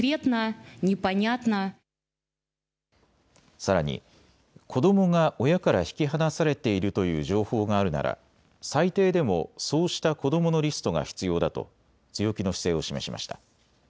さらに子どもが親から引き離されているという情報があるなら最低でもそうした子どものリストが必要だと強気の姿勢を示しました。